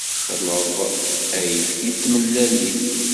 Xleḍ ayefki d tmellalin.